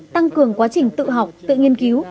tăng cường quá trình tự học tự nghiên cứu